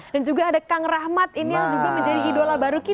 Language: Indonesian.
dan juga ada kang rahmat ini yang juga menjadi idola baru kita